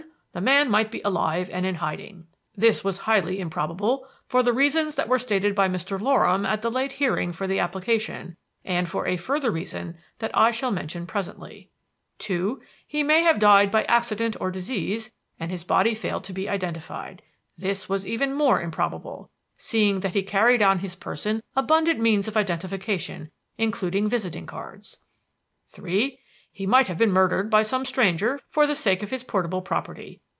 The man might be alive and in hiding. This was highly improbable, for the reasons that were stated by Mr. Loram at the late hearing of the application, and for a further reason that I shall mention presently. "2. He might have died by accident or disease, and his body failed to be identified. This was even more improbable, seeing that he carried on his person abundant means of identification, including visiting cards. "3. He might have been murdered by some stranger for the sake of his portable property.